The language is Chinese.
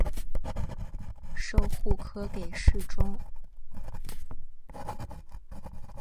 授户科给事中。